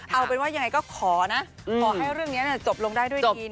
เอาเป็นว่ายังไงก็ขอนะขอให้เรื่องนี้จบลงได้ด้วยดี